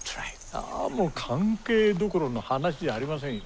あもう関係どころの話じゃありませんよ。